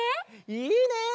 いいね！